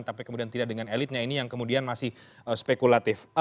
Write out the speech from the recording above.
tapi kemudian tidak dengan elitnya ini yang kemudian masih spekulatif